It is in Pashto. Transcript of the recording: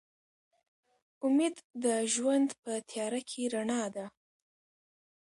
امید د ژوند په تیاره کې رڼا ده.